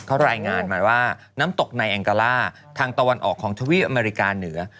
เขารายงานมาว่าน้ำตกในแองกาล่าทางตะวันออกของทวีปอเมริกาเหนือ